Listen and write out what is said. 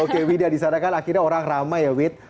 oke wida disana kan akhirnya orang ramai ya wit